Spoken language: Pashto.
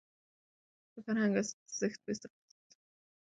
د فرهنګ ارزښت په انساني ازادۍ او په فکري استقلال کې دی.